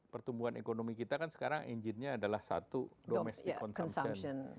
pertumbuhan ekonomi kita kan sekarang engine nya adalah satu domestic consumption